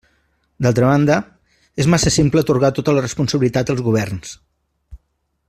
D'altra banda, és massa simple atorgar tota la responsabilitat als governs.